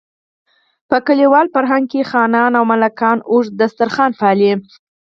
په کلیوال فرهنګ کې خانان او ملکان اوږد دسترخوان پالي.